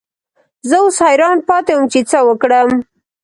زه اوس حیران پاتې وم چې څه وکړم.